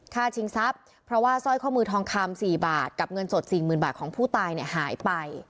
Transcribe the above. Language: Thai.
ชิงทรัพย์เพราะว่าสร้อยข้อมือทองคำ๔บาทกับเงินสด๔๐๐๐บาทของผู้ตายเนี่ยหายไป